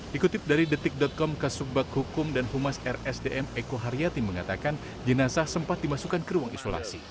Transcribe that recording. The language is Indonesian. dikutip dari detik com kasubag hukum dan humas rsdm eko haryati mengatakan jenazah sempat dimasukkan ke ruang isolasi